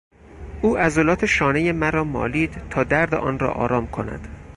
او عضلات شانهی مرا مالید تا درد آن را آرام کند.